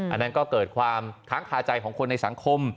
อันนั้นก็เกิดความค้างคาใจของคนในสังคม